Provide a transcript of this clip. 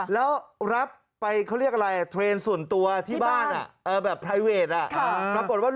แล้วรับไปเขาเรียกอะไรเนื้อสลบสว